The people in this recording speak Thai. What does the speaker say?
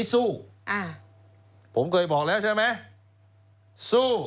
ซุอ่ะผมเคยบอกแล้วใช่ไหมซุ